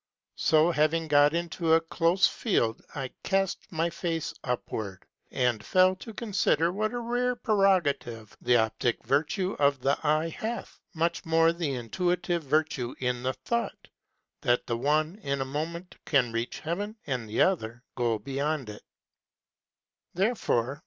So, having got into a close field, I cast my face upward, and fell to consider what a rare prerogative the optic virtue of the Eye hath, much more the intuitive virtue in the Thought, that the one in a moment can reach Heaven, and the other go beyond it : Therefore sure 444 Familiar Letters.